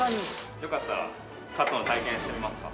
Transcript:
◆よかったらカットの体験してみますか？